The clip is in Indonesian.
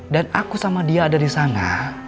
dan aku sama dia ada di sana